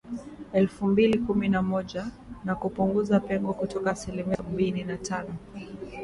na elfu mbili kumi na moja , na kupunguza pengo kutoka asilimia sabini na tano